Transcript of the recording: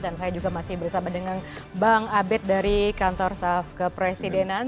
dan saya juga masih bersama dengan bang abed dari kantor staff kepresidenan